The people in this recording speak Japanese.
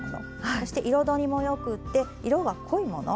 そして彩りもよくて色が濃いもの。